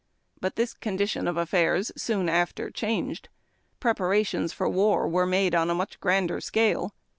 But this ( (MMliiion of affairs soon after changed. Prepara tions for Will wci'o made on a grander scale.